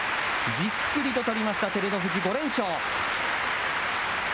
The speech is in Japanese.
じっくりと取りました、照ノ富士、５連勝。